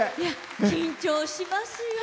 緊張しますよ。